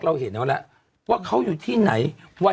เราเห็นแล้วแหละว่าเขาอยู่ที่ไหนก้าภาพจะนัดเงินหน้า